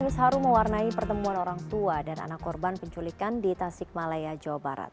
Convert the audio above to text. anies haru mewarnai pertemuan orang tua dan anak korban penculikan di tasik malaya jawa barat